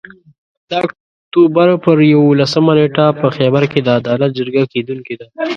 د اُکټوبر پر یوولسمه نیټه په خېبر کې د عدالت جرګه کیدونکي ده